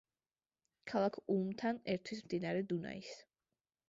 ქალაქ ულმთან ერთვის მდინარე დუნაის.